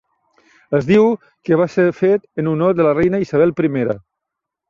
Es diu que va ser fet en honor de la Reina Isabel I.